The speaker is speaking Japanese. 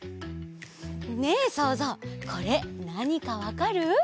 ねえそうぞうこれなにかわかる？